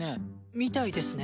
みたいですね。